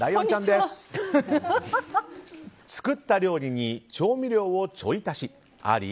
作った料理に調味料をちょい足しあり？